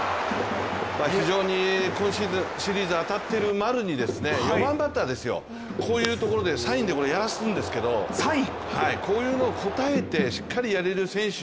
非常に今シリーズ当たっている丸に、４番バッターですよこういうところでサインでやらすんですけどこういうのを応えて、しっかりやれる選手